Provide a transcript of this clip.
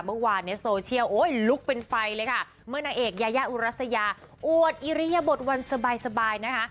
เมื่อวานเนี้ยโซเชียลโอ้ยลุกเป็นไฟเลยค่ะเมื่อนางเอกยายาอุรัสยาอวดอิริยบทวันสบายสบายนะคะ